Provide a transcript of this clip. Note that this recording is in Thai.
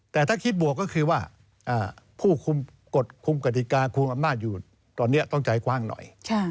แต่ถ้าคิดบวกก็คือว่าผู้คุมกฎคุมกฎิกาคุมอำนาจอยู่ตอนนี้ต้องใจกว้างหน่อย